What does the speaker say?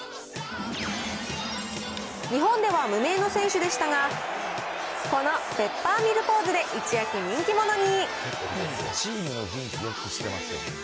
日本では無名の選手でしたが、このペッパーミルポーズで一躍人気者に。